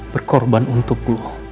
berkorban untuk lo